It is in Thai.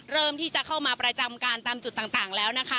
เริ่มที่จะเข้ามาประจำการตามจุดต่างแล้วนะคะ